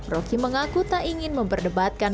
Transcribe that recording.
roky mengaku tak ingin memperdebatkan